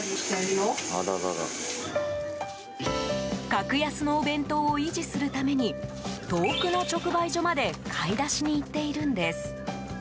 格安のお弁当を維持するために遠くの直売所まで買い出しに行っているんです。